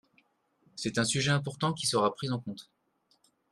C’est un sujet important qui sera pris en compte.